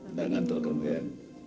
tidak ngantul kembali